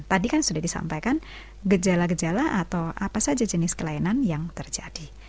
tadi kan sudah disampaikan gejala gejala atau apa saja jenis kelainan yang terjadi